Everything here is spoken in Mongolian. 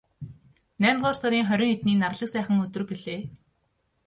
Наймдугаар сарын хорин хэдний нарлаг сайхан өдөр билээ.